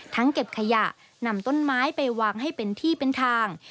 เก็บขยะนำต้นไม้ไปวางให้เป็นที่เป็นทาง